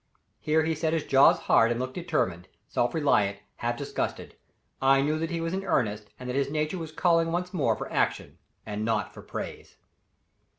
Here he set his jaws hard and looked determined, self reliant, half disgusted. I knew that he was in earnest and that his nature was calling once more for action and not for praise.